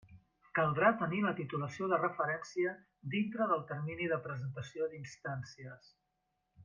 Caldrà tenir la titulació de referència dintre del termini de presentació d'instàncies.